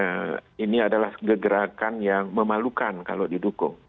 bakal mendukung karena ini adalah gerakan yang memalukan kalau didukung